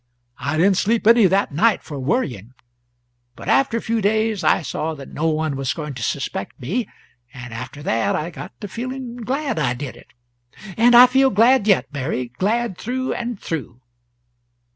I didn't sleep any that night, for worrying. But after a few days I saw that no one was going to suspect me, and after that I got to feeling glad I did it. And I feel glad yet, Mary glad through and through."